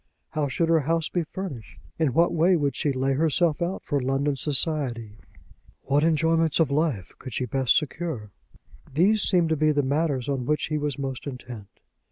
How should her house be furnished? In what way would she lay herself out for London society? What enjoyments of life could she best secure? These seemed to be the matters on which he was most intent.